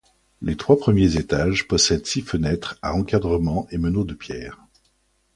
Les trois premiers étages possèdent six fenêtres à encadrements et meneaux de pierre.